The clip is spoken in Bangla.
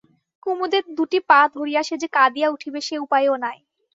কুমুদের দুটি পা ধরিয়া সে যে কাঁদিয়া উঠিবে সে উপায়ও নাই।